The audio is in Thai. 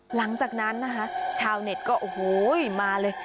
หลังจากนั้นชาวเน็ตก็มาเลย